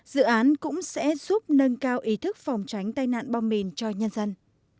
dự án cũng sẽ giúp nâng cao ý thức phòng tránh tai nạn bom mìn cho nhân dân